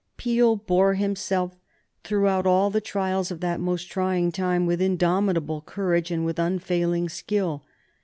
Peel bore himself throughout all the trials of that most trying time with indomitable courage and with unfailing skill.